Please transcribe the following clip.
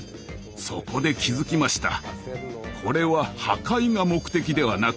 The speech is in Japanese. そこで気付きました。